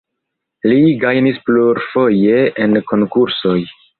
Li gajnis plurfoje en konkursoj.